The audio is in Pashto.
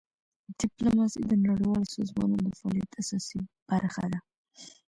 ډیپلوماسي د نړیوالو سازمانونو د فعالیت اساسي برخه ده.